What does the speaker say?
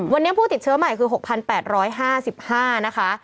วันนี้ผู้ติดเชื้อใหม่คือ๖๘๕๕นะคะ